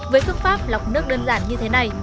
với phương pháp lọc nước đơn giản như thế này